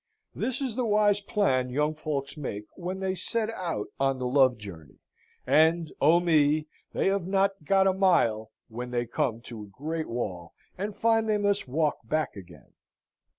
This is the wise plan young folks make when they set out on the love journey; and O me! they have not got a mile when they come to a great wall and find they must walk back again.